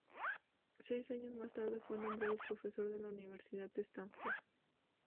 Seis años más tarde fue nombrado profesor en la Universidad de Stanford.